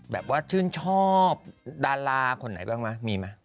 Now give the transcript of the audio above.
แบบว่าชื่นชอบดาราคนไหนบ้างมั้ยมีมั้ย